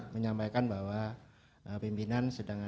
menyampaikan bahwa pimpinan sedang